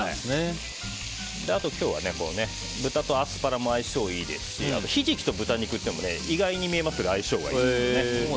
あと今日は豚とアスパラの相性がいいですしヒジキと豚肉というのも意外に見えますが相性がいいです。